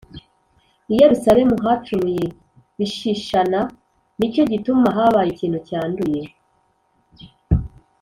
I Yerusalemu hacumuye bishishana, Ni cyo gituma habaye ikintu cyanduye.